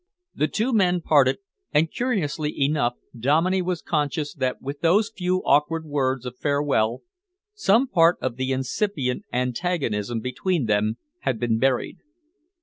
The two men parted, and curiously enough Dominey was conscious that with those few awkward words of farewell some part of the incipient antagonism between them had been buried.